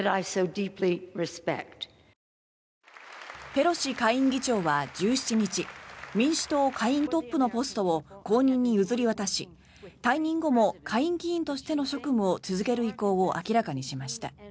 ペロシ下院議長は１７日民主党下院トップのポストを後任に譲り渡し退任後も下院議員としての職務を続ける意向を明らかにしました。